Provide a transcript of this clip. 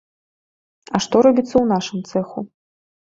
А што робіцца ў нашым цэху?